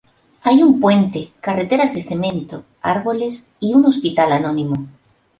Hay un puente, carreteras de cemento, árboles y un hospital anónimo.